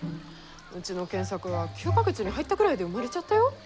うちの健作は９か月に入ったぐらいで生まれちゃったよ。